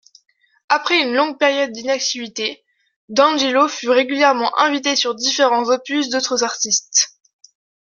Après une longue période d'inactivité, D'angelo fut régulièrement invité sur différents opus d'autres artistes.